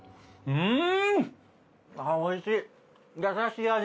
うん！